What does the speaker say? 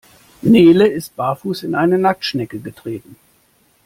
Nele ist barfuß in eine Nacktschnecke getreten.